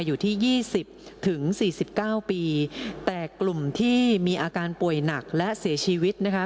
อยู่ที่๒๐ถึง๔๙ปีแต่กลุ่มที่มีอาการป่วยหนักและเสียชีวิตนะคะ